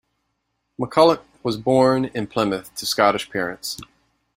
McCulloch was born in Plymouth to Scottish parents.